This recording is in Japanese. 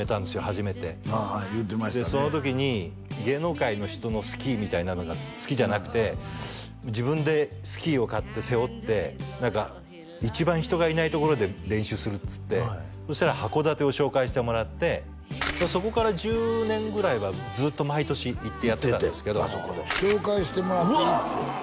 初めてああ言うてましたねでその時に芸能界の人のスキーみたいなのが好きじゃなくて自分でスキーを買って背負って「一番人がいないところで練習する」っつってそしたら函館を紹介してもらってそこから１０年ぐらいはずっと毎年行ってやってたんですけど紹介してもらって行ってうわ！